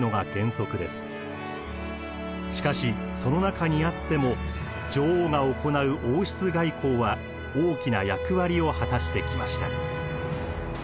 しかしその中にあっても女王が行う「王室外交」は大きな役割を果たしてきました。